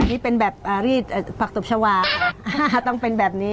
นี่เป็นแบบรีดผักตบชาวาต้องเป็นแบบนี้